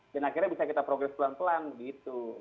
dan akhirnya bisa kita progres pelan pelan gitu